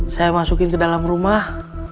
saya masukin ke dalam rumah